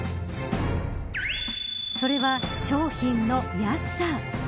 それは商品の安さ。